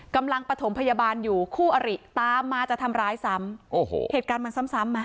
ปฐมพยาบาลอยู่คู่อริตามมาจะทำร้ายซ้ำโอ้โหเหตุการณ์มันซ้ำซ้ำมา